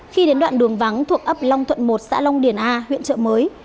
khi đến đoạn đường vắng thuộc ấp long thuận một xã long điển a huyện chợ mới